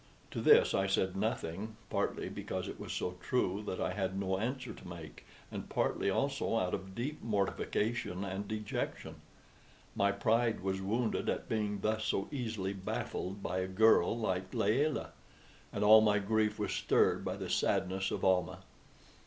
To this I said nothing partly because it was so true that I had no answer to make, and partly also out of deep mortification and dejection. My pride was wounded at being thus so easily baffled by a girl like Layelah, and all my grief was stirred by the sadness of Almah.